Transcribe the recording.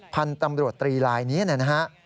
พันธุ์ตำรวจตรีลายนี้นะฮะ